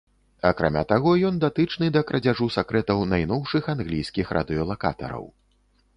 Акрамя таго ён датычны да крадзяжу сакрэтаў найноўшых англійскіх радыёлакатараў.